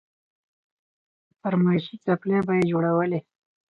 فرمايشي څپلۍ به يې جوړولې.